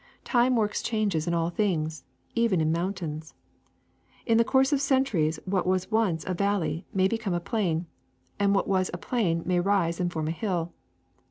Time works changes in all things, even in mountains. In the course of centuries what was once a valley may be come a plain, and what was a plain may rise and form a hill.